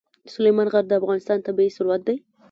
سلیمان غر د افغانستان طبعي ثروت دی.